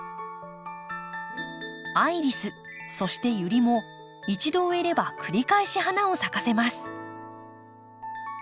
アイリスそしてユリも一度植えれば繰り返し花を咲かせます。